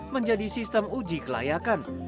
menjadi sistem uji kelayakan